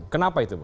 kenapa itu bang